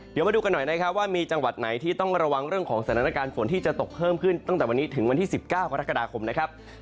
เดี๋ยวมาดูกันหน่อยนะครับว่ามีจังหวัดไหนที่ต้องระวังเรื่องของสถานการณ์ฝนที่จะตกเพิ่มขึ้นตั้งแต่วันนี้ถึงวันที่๑๙กรกฎาคมนะครับ